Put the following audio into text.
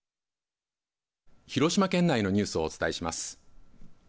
広島県内のニュースをお伝えします。